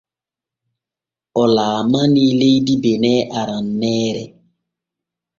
O laalanii leydi bene aranneere.